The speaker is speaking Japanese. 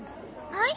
はい？